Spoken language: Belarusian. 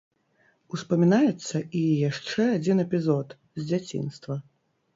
Успамінаецца і яшчэ адзін эпізод, з дзяцінства.